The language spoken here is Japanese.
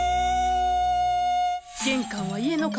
玄関は家の顔。